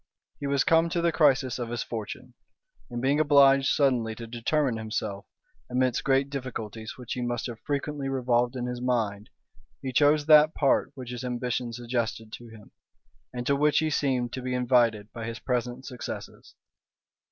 He was come to the crisis of his fortune; and being obliged suddenly to determine himself, amidst great difficulties which he must have frequently revolved in his mind, he chose that part which his ambition suggested to him, and to which he seemed to be invited by his present success.